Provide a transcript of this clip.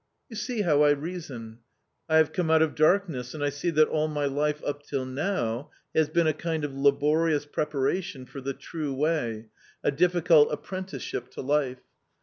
•^" You see how I reason ; I have come out of darkness, ' and I see that all my life up till now has been a kind of ^• laborious preparation for the true way, a difficult app rentice^ ■ vShiptolife.